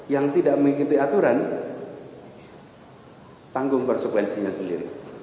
yang tidak mengikuti aturan tanggung konsekuensinya sendiri